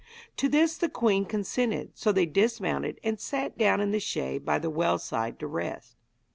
To this the queen consented; so they dismounted and sat down in the shade by the well side to rest.